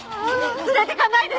連れていかないで！